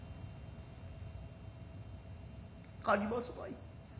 借りますまい。